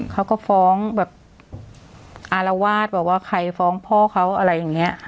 เขาก็ฟ้องแบบอารวาสแบบว่าใครฟ้องพ่อเขาอะไรอย่างนี้